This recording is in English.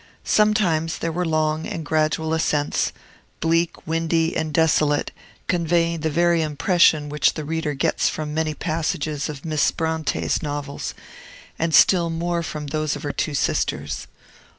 Sometimes there were long and gradual ascents, bleak, windy, and desolate, conveying the very impression which the reader gets from many passages of Miss Bronte's novels, and still more from those of her two sisters.